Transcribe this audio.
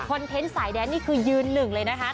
เทนต์สายแดนนี่คือยืนหนึ่งเลยนะคะ